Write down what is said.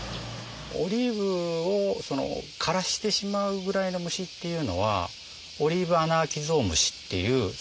オリーブを枯らしてしまうぐらいの虫っていうのはオリーブアナアキゾウムシっていう１種類だけなんです。